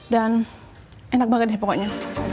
dan enak banget deh pokoknya